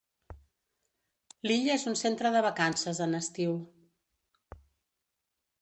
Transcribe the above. L'illa és un centre de vacances en estiu.